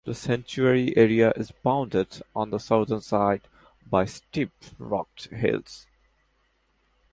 The sanctuary area is bounded on the southern side by steep rugged hills.